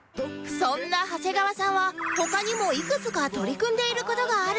そんな長谷川さんは他にもいくつか取り組んでいる事があるそうで